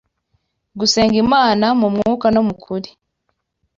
Gusenga Imana “mu mwuka no mu kuri,”